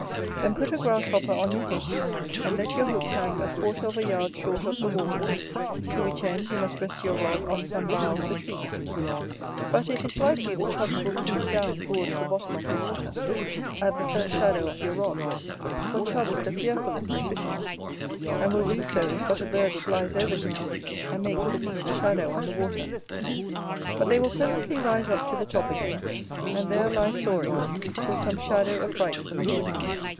Then put a grasshopper on your hook, and let your hook hang a quarter of a yard short of the water, to which end you must rest your rod on some bough of the tree. But it is likely the Chubs will sink down towards the bottom of the water, at the first shadow of your rod (for Chub is the fearfullest of fishes), and will do so if but a bird flies over him and makes the least shadow on the water; but they will presently rise up to the top again, and there lie soaring till some shadow affrights them again.